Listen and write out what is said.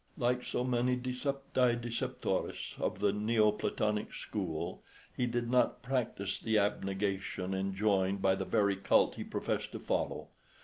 Like so many decepti deceptores of the Neo Platonic school, he did not practise the abnegation enjoined by the very cult he professed to follow.